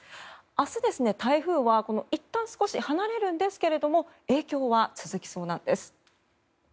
明日、台風はいったん少し離れるんですが影響は続きそうなんです。